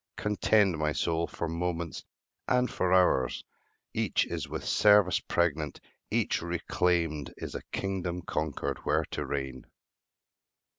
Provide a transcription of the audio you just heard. Contend, my soul, for moments and for hours; Each is with service pregnant; each reclaimed Is as a kingdom conquered, where to reign.